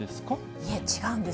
いえ、違うんです。